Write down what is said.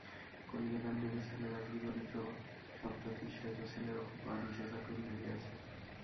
কলিকাতায় মেজছেলে চাকরি করিত, সম্প্রতি সেজছেলেরও কোনো আফিসে চাকুরি হইয়াছে।